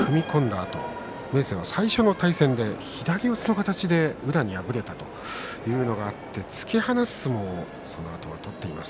あと明生は最初の対戦で左四つの形で宇良に敗れたということがあって突き放す動きも取っています